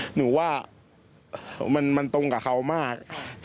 หนูว่ามันตรงกับเขามาก